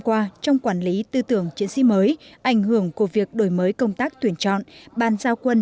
qua trong quản lý tư tưởng chiến sĩ mới ảnh hưởng của việc đổi mới công tác tuyển chọn bàn giao quân